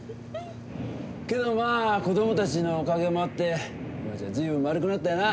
けどまあ子供たちのおかげもあって今じゃ随分丸くなったよな。